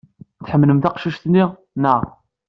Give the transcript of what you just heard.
Tḥemmlemt tiqcicin, naɣ?